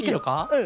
うん。